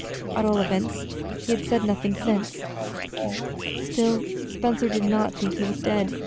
At all events he had said nothing since. Still, Spencer did not think he was dead.